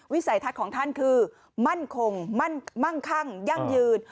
สัยทัศน์ของท่านคือมั่นคงมั่งคั่งยั่งยืน